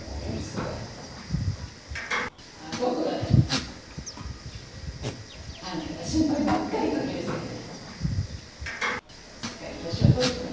はあどこがだいね。あんたが心配ばっかりかけるせいですっかり年をとっちまったよ。